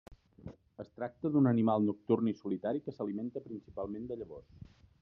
Es tracta d'un animal nocturn i solitari que s'alimenta principalment de llavors.